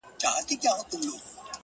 بيا د تورو سترګو و بلا ته مخامخ يمه.